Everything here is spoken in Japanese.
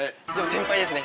先輩ですね